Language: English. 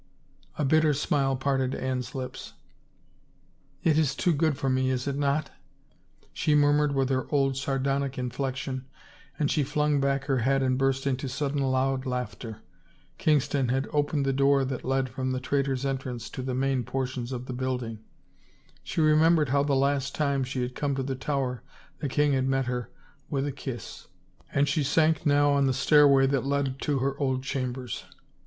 A bitter smile parted Anne's lips. " It is too good for me, is it not ?" she murmured with her old sardonic in flection, and she flung back her head and burst into sud den loud laughter. Kingston had opened the door that led from the Traitor's Entrance to the main portions of the building. She remembered how the last time she had come to the Tower the king had met her with a kiss and she sank now on the stairway that led to her old chambers.